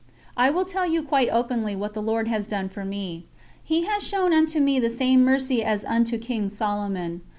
I will tell you quite openly what the Lord has done for me. He has shown unto me the same mercy as unto King Solomon.